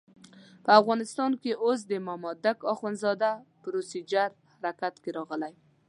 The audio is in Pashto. په افغانستان کې اوس د مامدک اخندزاده پروسیجر حرکت کې راغلی.